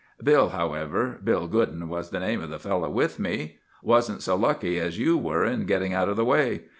Bill, however,—Bill Goodin was the name of the fellow with me,—wasn't so lucky as you were in getting out of the way.